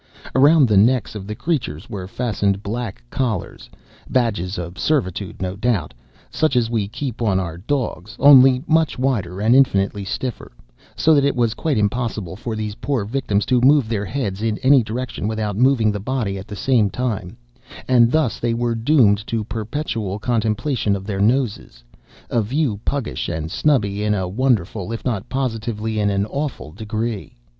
Around the necks of the creatures were fastened black collars, (badges of servitude, no doubt,) such as we keep on our dogs, only much wider and infinitely stiffer, so that it was quite impossible for these poor victims to move their heads in any direction without moving the body at the same time; and thus they were doomed to perpetual contemplation of their noses—a view puggish and snubby in a wonderful, if not positively in an awful degree.